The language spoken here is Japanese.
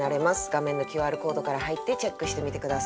画面のＱＲコードから入ってチェックしてみて下さい。